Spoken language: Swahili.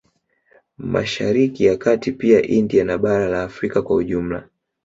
Mashariki ya kati pia India na bara la Afrika kwa Ujumla